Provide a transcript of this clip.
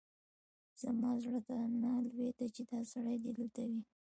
زما زړه ته نه لوېدل چې دا سړی دې دلته وي.